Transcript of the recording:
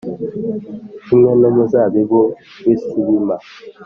kimwe n’umuzabibu w’i Sibima,